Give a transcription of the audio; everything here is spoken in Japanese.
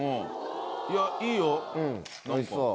いやいいよなんか。